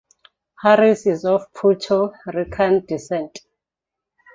Harris is of Puerto Rican descent.